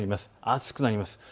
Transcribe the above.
暑くなります。